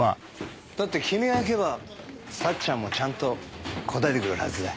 だって君が行けば幸ちゃんもちゃんと応えてくれるはずだ。